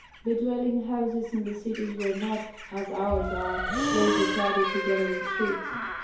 The dwelling houses in the cities were not, as ours are, closely crowded together in streets.